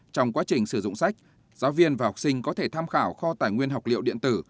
trong quá trình sử dụng sách giáo viên và học sinh có thể tham khảo kho tài nguyên học liệu điện tử